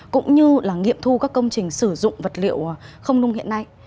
cũng như là nghiệm thu các công trình sử dụng vật liệu không nung hiện nay